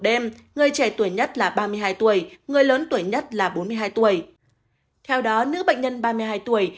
đêm người trẻ tuổi nhất là ba mươi hai tuổi người lớn tuổi nhất là bốn mươi hai tuổi theo đó nữ bệnh nhân ba mươi hai tuổi